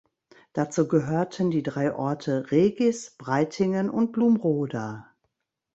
Dazu gehörten die drei Orte Regis, Breitingen und Blumroda.